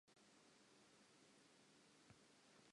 Hlatswa matsoho pele o tshwara dijo.